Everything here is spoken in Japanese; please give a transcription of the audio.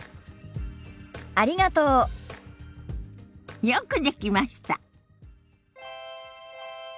ありがとう。よくできました。